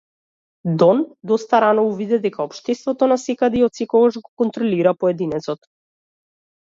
Дон доста рано увиде дека општеството насекаде и отсекогаш го контролира поединецот.